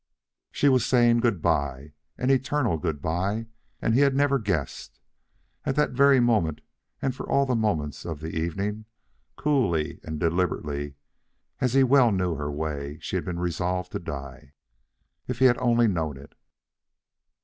She was saying good by, an eternal good by, and he had never guessed. At that very moment, and for all the moments of the evening, coolly and deliberately, as he well knew her way, she had been resolved to die. If he had only known it!